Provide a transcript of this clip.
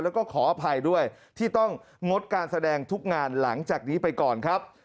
แล้วก็ขออภัยด้วยที่ต้องงดการแสดงทุกงานหลังจากนี้ไปก่อนครับ